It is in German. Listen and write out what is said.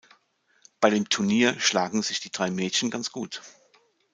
Bei dem Turnier schlagen sich die drei Mädchen ganz gut.